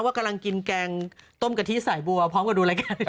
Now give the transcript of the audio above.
กำลังกินแกงต้มกะทิสายบัวพร้อมกับดูรายการ